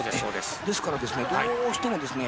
ですからですねどうしてもですね